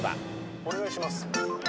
お願いします。